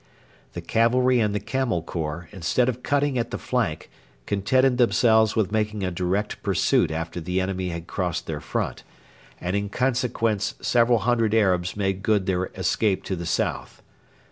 The cavalry and the Camel Corps, instead of cutting at the flank, contented themselves with making a direct pursuit after the enemy had crossed their front, and in consequence several hundred Arabs made good their escape to the south.